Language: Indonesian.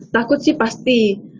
takut sih pasti